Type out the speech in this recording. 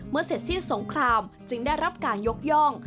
เสร็จสิ้นสงครามจึงได้รับการยกย่อง